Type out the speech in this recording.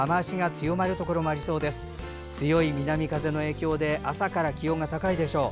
強い南風の影響で朝から気温が高いでしょう。